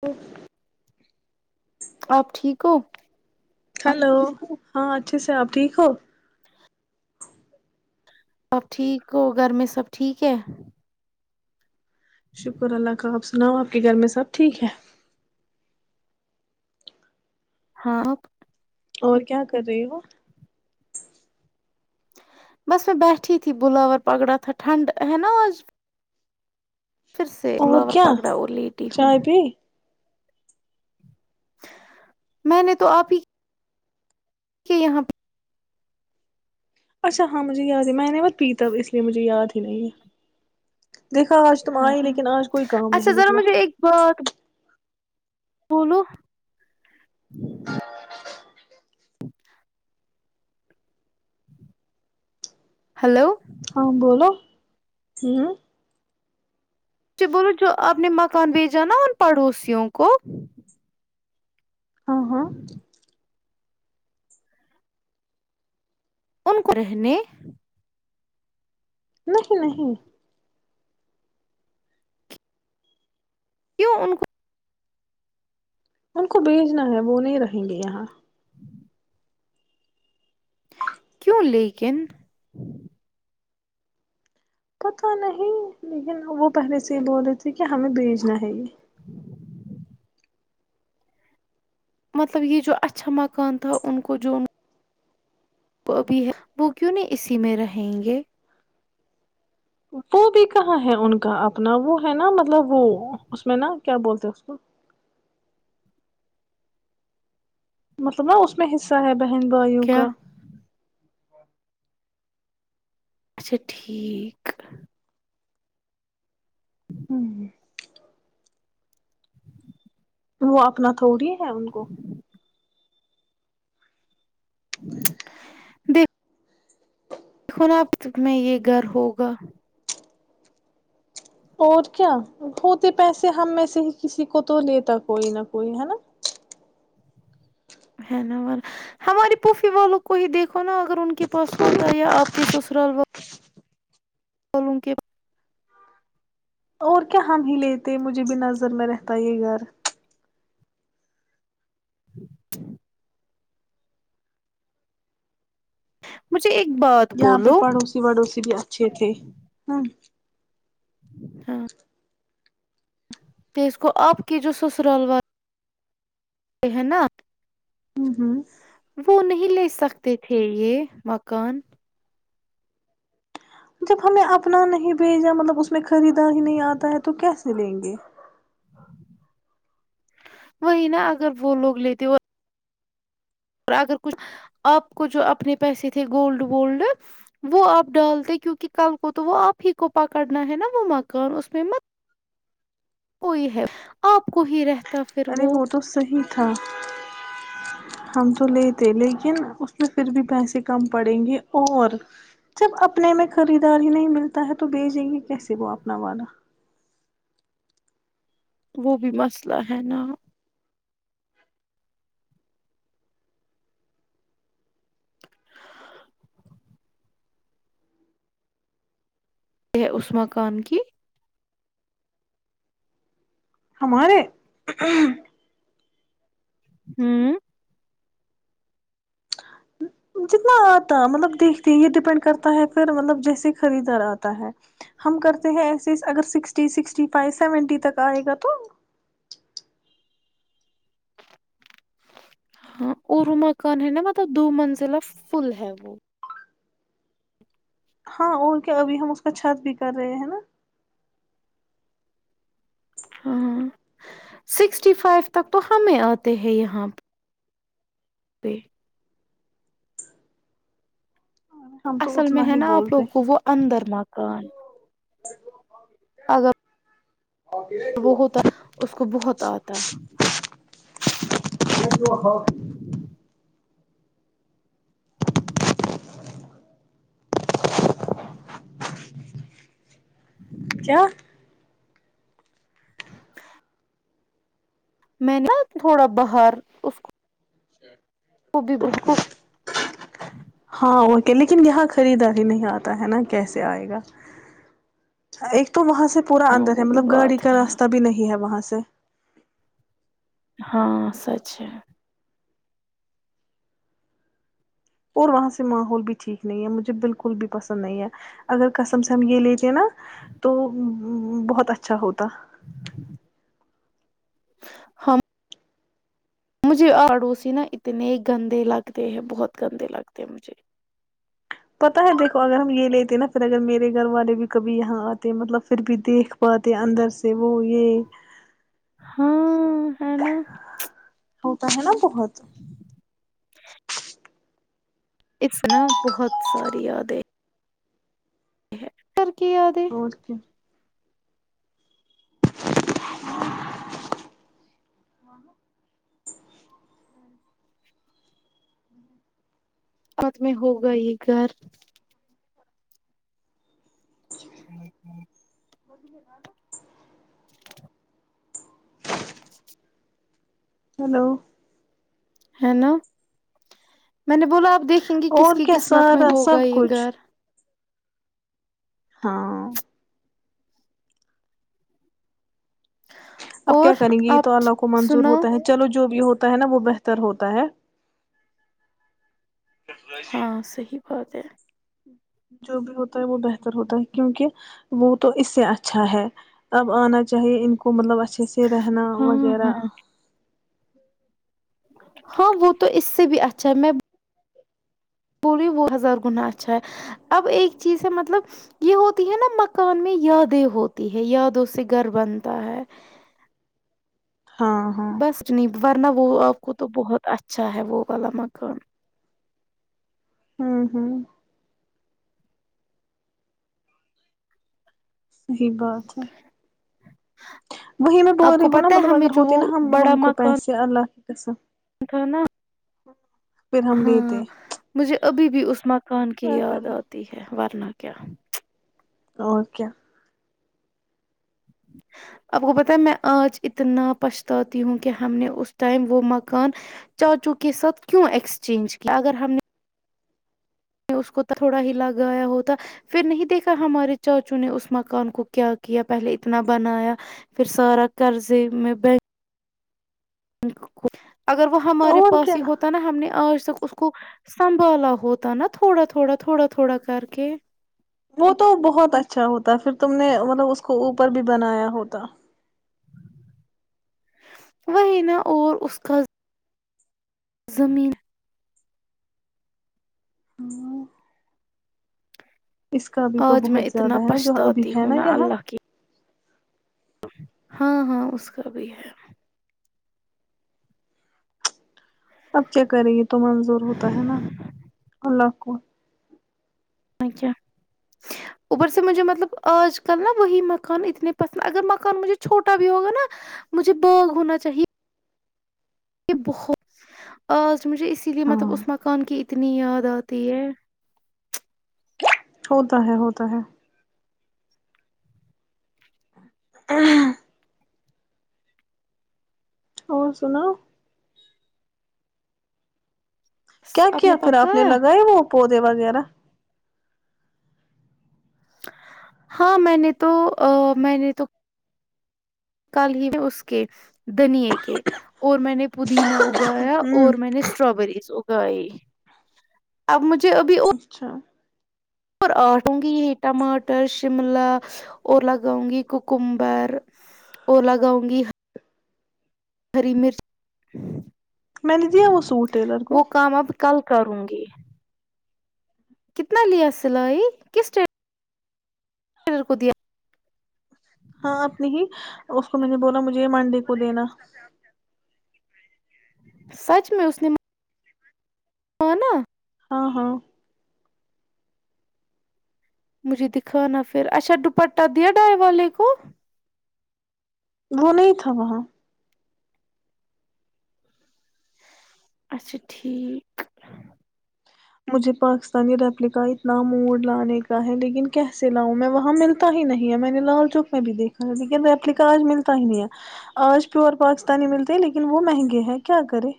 وہ [inaudible] آپ ٹھیک ہو ہلو ہاں اچھے سے آپ ٹھیک ہو سب ٹھیک ہو گھر میں سب ٹھیک ہے شکر اللہ کا آپ سناؤ آپ کے گھر میں سب ٹھیک ہے ہاں اور کیا کر رہی ہو بس میں بیٹھی تھی بلاور پگڑا تھا ٹھنڈ ہے نا آج پھر سے اور بلاور کیا پگڑا اور لیٹی ہوں چائے پی میں نے تو آپ ہی کہ یہاں اچھا ہاں مجھے یاد ہی میں نے بت پیتا اس لیے مجھے یاد ہی نہیں ہے دیکھا آج تم ہاں آئے لیکن آج کوئی کام اچھا نہیں ذرا نکلا مجھے ایک بات بولو ہچ [inaudible] ہلو ہاں بولو ہ مھے بولو جو آپ نے مکان بھیجا نا ان پڑوسیوں کو ہاں ہاں ہ [inaudible] ان کو رہنے نہیں نہیں کیوں ان کو ان کو بھیجنا ہے وہ نہیں رہیں گے یہاں کیوں لیکن پت نہیں لیکن وہ پہلے سے یہ بول رہے تھے کہ ہمیں بھیجنا ہے یہ [inaudible] مطلب یہ جو اچھا مکان تھا ان کو جو وہبھی ہے وہ کیوں نہیں اسی میں رہیں گے وہ بھی کہاں ہے ان کا اپنا وہ ہے نا مطلب وہ اس میں نا کیا بولتے اس کو مطلب نا اس میں حصہ ہے بہن بھائیوں کیا کا اچھا ٹھیک ہوں [inaudible] وہ اپنا تھوڑی ہے ان کو دیک ن آپ ت میں یہ گھر ہوگا اور کیا ہوتے پیسے ہم میں سے ہی کسی کو تو لیتا کوئی نہ کوئی ہے نا ہے نا اور ہماراری پھوپھی والوں کو ہی دیکھو نا اگر ان کے پاس ہوتا ہے یا آپ کے سسرال وال [unintelligible] اور کیا ہم ہی لیتے مجھے بھی نظر میں رہتا یہ گھر مجھے ایک بات یہاں پہ بولو پڑوسی وڑوسی بھی اچھے تھے ہاں تو اس کو آپ کی جو سسرال وال ے ہے نا ہوں ہوں وہ نہیں لے سکتے تھے یہ مکان جب ہمیں اپنا نہیں بھیجا مطلب اس میں خریدار ہی نہیں آتا ہے تو کیسے لیں گے وہی نا اگر وہ لوگ لیتے وہ اور اگر کچھ آپ کو جو اپنے پیسے تھے گولڈ وولڈ وہ آپ ڈالتے کیوںکہ کل کو تو وہ آپ ہی کو پکڑنا ہے نا وہ مکان اس میںئی ہے آپ کو ہی رہتا ارے وہ تو صحی تھا ہم تو لیتے لیکن اس میں پھر بھی پیسے کم پڑیں گے اور جب اپنے میں خریدار ہی نہیں ملتا ہے تو بیچیں گے کیسے وہ اپنا والا وہ بھی مسئلہ ہے نا کہ اس مکان کی ہمارے ہوں جتنا آتا مطلب دیکھتے ہیں یہ ڈیپینڈ کرتا ہے پھر مطلب جیسے خریدار آتا ہے ہم کرتے ہیں ایسے اگر سکسٹی سکسٹی فائیو سیونٹی تک آئے گا تو ہاں ارو مکان ہے نا مطلب دو منزلہ فل ہے وہ ہاں اور کیا ابھی ہم اس کا چھت بھی کر رہے ہیں نا ہاں سکسٹی فائیو تک تو ہمیں آتے ہیں یہاں پے ہم تو اصل میں اتنا ہے ہی نا آپ بولتے لوگ ہیں وہ اندر مکان اگر اور وہ ہوتا اس کو بہت آتا [inaudible] کیا میں نا تھوڑا باہر اس کو بھی بہت [inaudible] ہاں وہ لیکن یہاں خریداری نہیں آتا ہے نا کیسے آئے گا ایک تو وہاں سے پورا ہاں اندر ہے وہ بھی مطلب گاڑی بات کا ہے نا راستہ بھی نہیں ہے وہاں سے [inaudible] ہاں سچ ہے اور وہاں سے ماحول بھی ٹھیک نہیں ہے مجھے بالکل بھی پسند نہیں ہے اگر قسم سے ہم یہ لیتے نا تو بہت اچھا ہوتا [inaudible] ہم مجھے آڑاڑوسی نا اتنے گندے لگتے ہیں بہت گندے لگتے ہیں مجھے پتا ہے دیکھو اگر ہم یہ لیتے نا پھر اگر میرے گھر والے بھی کبھی یہاں آتے مطلب پھر بھی دیکھ پاتے اندر سے وہ یہ ہاں ہے نا ہوتا ہے نا بہت اس طناح بہت ساری یادیں [unintelligible] اور کیا [unintelligible] خد میں ہوگا یہ گھر [unintelligible] ودے گدا [unintelligible] [unintelligible] ہلو ہے نا میں نے بلاو آپ دیکھیں گے کس اور کی کیا قسمت میں سارا ہوگا سب یہ کچھ گھر ہاں اب کیا اور کریں گے یہ تو آپ اللہ کو منظور سنا ہوتا ہے چلو جو بھی ہوتا ہے نا وہ بہتر ہوتا ہے ٹیکنالوجی [unintelligible] بہت [unintelligible] جو بھی ہوتا ہے وہ بہتر ہوتا ہے کیونکہ وہ تو اس سے اچھا ہے اب آنا چاہیے ان کو مطلب ا اچھے سے رہنا ہاں وغیرہ ہاں جی [unintelligible] ہاں وہ تو اس سے بھی اچھا ہے میں بلیے وہ ہزار گنااہ اچھا ہے اب ایک چیز ہے مطلب یہ ہوتی ہے نا مکان میں یادیں ہوتی ہے یادوں سے گھر بنتا ہے ہاں ہاں بس نہیں ورنہ وہ آپ کو تو بہت اچھا ہے وہ والا مکان ہوں ہوں صحی بات ہے وہیں میں بول آپ رہی کو ہوں نا پتہ ہے مطلب ہمیں اگر جو وہ ہوتی نا ہم بڑا ہم کو مکان پیسے اللہ کے کسم تھا نا اچ ہاں مجھے ابھی بھی اس مقت کون کی کیا یاد کریں آتی ہے ورنہ کیا اوکے آپ کو پت ہے میں آج اتنا پچھتاتی ہوں کہ ہم نے اس ٹائم وہ مکان چاچو کے ساتھ کیوں ایکسچینج کیا اگر ہم نے میں نے اس کو تھوڑا ہی لگایا ہوتا پھر نہیں دیکھا ہمارے چاچو نے اس مکان کو کیا کیا پہلے اتنا بنایا پھر سارا قرضے میں کو اگر وہ ہمارے اور پاس کیا ہی ہوتا نا ہم نے آج ت اس کو سنبھالا ہوتا نا تھوڑا تھوڑا تھوڑا تھوڑا کر کے وہ تو بہت اچھا ہوتا پھر تم نے مطلب اس کو اوپر بھی بنایا ہوتا وہ نا اور اس کا زمین ہاں اس کا ابھی تو آج میں بہت اتنا زیادہ ہے نا جو ابھی پچھتاتی ہے ہوں نا یہاں اللہ کی ہاں ہاں اس کا بھی ہے اب کیا کریں گے تمن ضروروتا ہے نا اللہ کو اچ اوپر سے مجھے مطلب آج کل نا وہی مکان اتنے پسند اگر مکان مجھے چھوٹا بھی ہوگا نا مجھے باغ ہونا چاہیے یہ بہت آ اچھ مجھے اسی لیے مطلب ہاں اس مکان کی اتنی یاد ہوتی ہے ہوتا ہے ہوتا ہے ہ اور سناو کیا کیا پھر آپ نے لگائے وہ پودے وغیرہ ہاں میں نے تو میں نے تو کل ہی اس کے دنیے کے اور میں نے پودینہ اگایا ہوں اور میں نے اسٹراابریز اگ گئی اب مجھ اچھا اور آٹوں گی یہ ٹماٹر شملہ اور لگاؤں گی کوکمبر اور لگاؤں گی ہری مرچ میں نے دیا وہ سوٹ ٹیلر کو وہ کام اب کل کروں گی کتنا لیا سلائی کس ٹائم کو دیا ہاں اپنی ہی اس کو میں نے بولا مجھے یہ مانڈی کو دینا سچ میں اس ن ہ نا ہاں ہاں مجھے دکھانا پھر اچھا دوپٹہ دیا ڈائی والے کو وہ نہیں تھا وہاں اچھا ٹھیک مجھے پاکستانی ریپلیکا اتنا موڑ لانے کا ہے لیکن کیسے لاؤں میں وہاں ملتا ہی نہیں ہے میں نے لال چوک میں بھی دیکھا ہے لیکن ریپلیکا آج ملتا ہی نہیں ہے آج پیور پاکستانی ملتے لیکن وہ مہنگے ہیں کیا کرے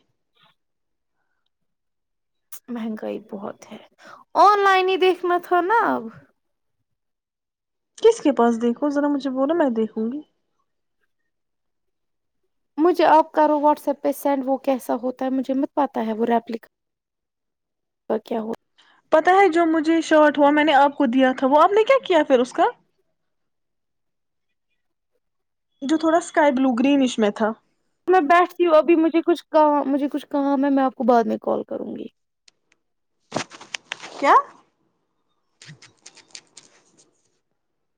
مہنگائی بہت ہے آن لائن ہی دیکھنا تھا نا اب کس کے پاس دیکھو ذرا مجھے بولاو میں دیکھوں گی مجھے آپ کرو واٹس ایپ پہ سینڈ وہ کیسا ہوتا ہے مجھے پتہ ہے وہ ریپل کیا ہو پتا ہے جو مجھے شارٹ ہوا میں نے آپ کو دیا تھا وہ آپ نے کیا کیا پھر اس کا جو تھوڑا اسکائی بلو گرین اسش میں تھا میں بیٹھتی ہوں ابھی مجھے کچھ کام مجھے کچھ کام ہے میں آپ کو بعد میں کال کروں گی کیا